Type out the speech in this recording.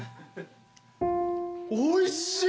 おいしい！